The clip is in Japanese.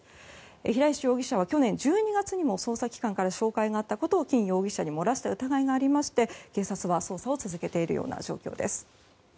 平石容疑者は去年１２月にも捜査機関から照会があったことを金容疑者に漏らした疑いがありまして警察は捜査を続けているような状況です。